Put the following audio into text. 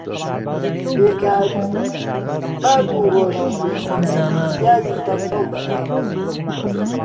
بێکاری، با دوو ڕۆژیش بێ، پیاوی تەنبەڵ دەکا